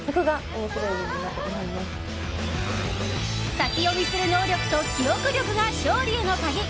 先読みする能力と記憶力が勝利への鍵。